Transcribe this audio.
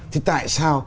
thì tại sao